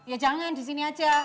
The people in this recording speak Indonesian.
ya jangan disini aja